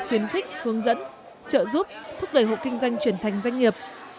tuyến thích hướng dẫn trợ giúp thúc đẩy hộ kinh doanh chuyển thành doanh nghiệp